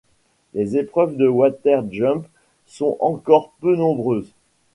Les épreuves de water jump sont encore peu nombreuses.